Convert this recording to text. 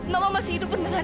mama masih hidup benar